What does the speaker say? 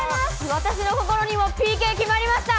私の心にもＰＫ決まりました。